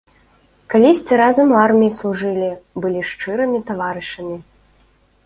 Калісьці разам у арміі служылі, былі шчырымі таварышамі.